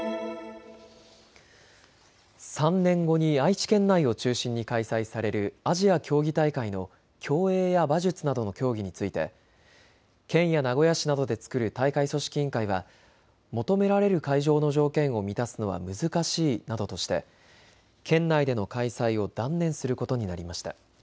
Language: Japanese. ３年後に愛知県内を中心に開催されるアジア競技大会の競泳や馬術などの競技について県や名古屋市などで作る大会組織委員会は求められる会場の条件を満たすのは難しいなどとして県内での開催を断念することになりました。